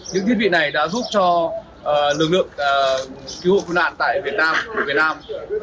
những thiết bị này đã giúp cho lực lượng cứu nạn tại việt nam